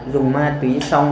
dùng ma túy xong